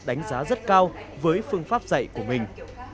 đánh giá rất cao với phương pháp dạy của mình